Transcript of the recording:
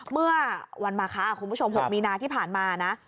เมื่อวันมาคะคุณผู้ชม๖มีนาที่ผ่านมานะ